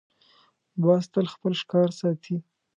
باز تل خپل ښکار ساتي